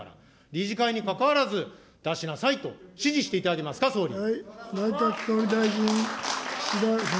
理事会にかかわらず、出しなさいと指示していただけますか、総理。